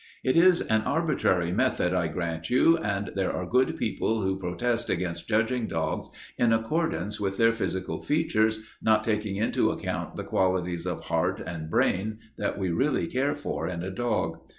"It is an arbitrary method, I grant you, and there are good people who protest against judging dogs in accordance with their physical features, not taking into account the qualities of heart and brain that we really care for in a dog.